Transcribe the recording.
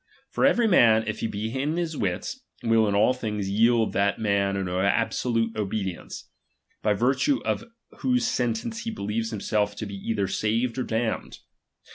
For every man, if he be in his wits, will in all things yield that man an absolute obedience, by virtue of whose sentence he believes himself to be either saved or damned.